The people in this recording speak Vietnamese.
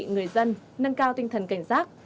người dân nâng cao tinh thần cảnh giác